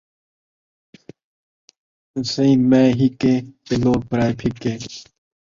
سئیں مئیں ہکے تے لوک پرائے پھِکے